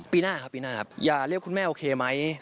ปีหน้าครับปีหน้าครับอย่าเรียกคุณแม่โอเคไหม